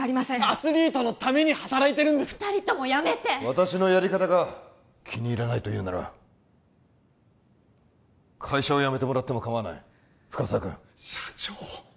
アスリートのために働いてるんです二人ともやめて私のやり方が気に入らないというなら会社を辞めてもらっても構わない深沢君社長！